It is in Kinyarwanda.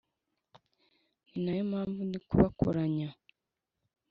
ni nayo mpamvu ndi kubakoranya .